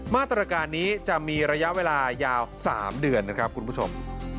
มาตรการนี้จะมีระยะเวลายาว๓เดือนนะครับคุณผู้ชม